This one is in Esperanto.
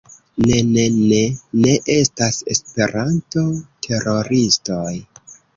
Ne, ne, ne, ne estas Esperanto-teroristoj